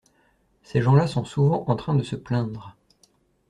Ces gens-là sont souvent en train de se plaindre.